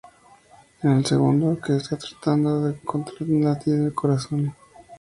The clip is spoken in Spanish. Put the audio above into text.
En el segundo, que está tratando de encontrar un latido del corazón.